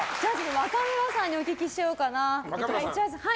若村さんにお聞きしちゃおうかな。